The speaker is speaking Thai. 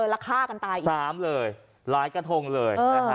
แล้วฆ่ากันตายอีก๓เลยหลายกระทงเลย